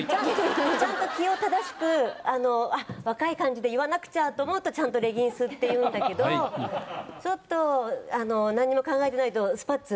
ちゃんと気を正しく若い感じで言わなくちゃと思うとちゃんと「レギンス」って言うんだけどちょっと何も考えてないと「スパッツ」って言っちゃうから。